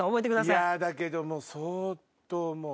いやだけど相当もう。